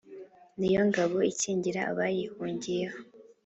ni yo ngabo ikingira abayihungiyeho